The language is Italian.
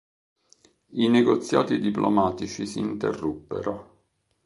I negoziati diplomatici si interruppero.